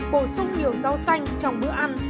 bổ sung nhiều rau xanh trong bữa ăn